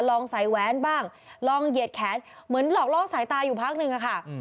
ลองใส่แว้นบ้างลองเหยียดแขนเหมือนหลอกลอกสายตาอยู่พักนึงอะค่ะ